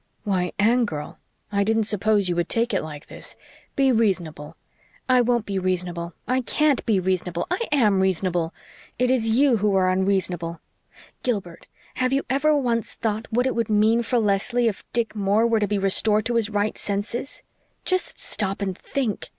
"Why, Anne girl, I didn't suppose you would take it like this. Be reasonable " "I won't be reasonable I can't be reasonable I AM reasonable. It is you who are unreasonable. Gilbert, have you ever once thought what it would mean for Leslie if Dick Moore were to be restored to his right senses? Just stop and think!